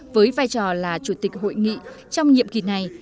với vai trò là chủ tịch hội nghị trong nhiệm kỳ này